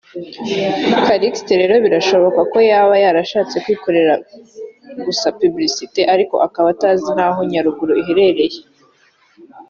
Calixte rero birashoboka ko yaba yarashatse kwikorera gusa Publicite ariko akaba atazi naho Nyaruguru iherereye